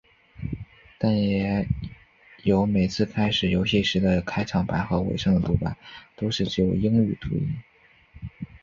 但也有每次开始游戏时的开场白和尾声的读白都是只有英语语音。